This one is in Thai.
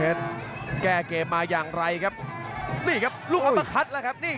อื้อหือจังหวะขวางแล้วพยายามจะเล่นงานด้วยซอกแต่วงใน